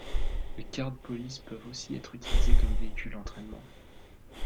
Les cars de police peuvent aussi être utilisés comme véhicules d'entrainement.